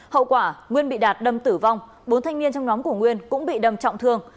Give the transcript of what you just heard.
hậu quả nguyên bị đạt đâm tử vong bốn thanh niên trong nhóm của nguyên cũng bị đâm trọng thương